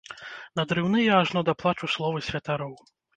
Надрыўныя ажно да плачу словы святароў.